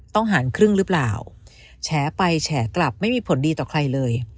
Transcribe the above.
หารครึ่งหรือเปล่าแฉไปแฉกลับไม่มีผลดีต่อใครเลย